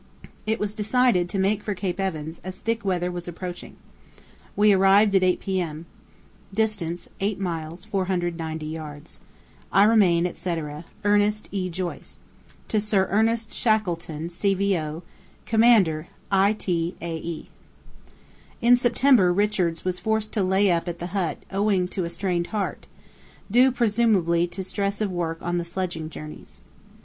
It was decided to make for Cape Evans, as thick weather was approaching. We arrived at 8 p.m. Distance 8 miles 490 yds. "I remain, etc., "ERNEST E. JOYCE. "To Sir ERNEST SHACKLETON, C.V.O., "Commander, I.T.A.E." In September Richards was forced to lay up at the hut owing to a strained heart, due presumably to stress of work on the sledging journeys.